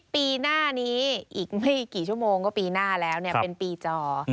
ปีหน้านี้อีกไม่กี่ชั่วโมงก็ปีหน้าแล้วเป็นปีจอ